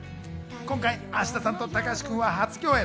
今回、芦田さんと高橋君は初共演。